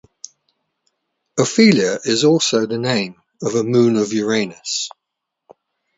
Ophelia is also the name of a moon of Uranus.